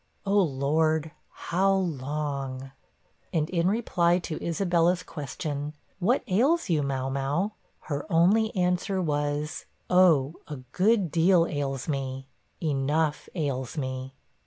'Oh Lord, how long?' And in reply to Isabella's question 'What ails you, mau mau?' her only answer was, 'Oh, a good deal ails me' 'Enough ails me.'